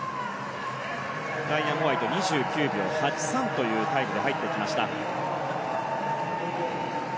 ライアン・ホワイト２９秒８３というタイムで入ってきました。